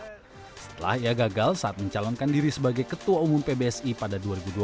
setelah ia gagal saat mencalonkan diri sebagai ketua umum pbsi pada dua ribu dua belas